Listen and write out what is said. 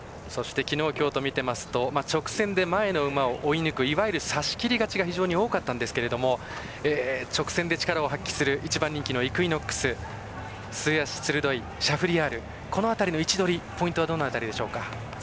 昨日、今日と見ると直線で前の馬を追い抜く差しきり勝ちが非常に多かったんですけど直線で力を発揮する１番人気のイクイノックス末脚鋭いシャフリヤールこの辺りの位置取りポイントはどの辺りでしょうか？